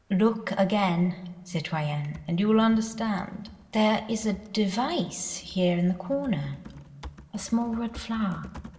"Look again, citoyenne, and you will understand." "There is a device here in the corner, a small red flower